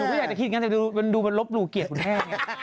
หนูก็อยากจะคิดอย่างนั้นแต่ดูมันลบรูเกลียดคุณแท่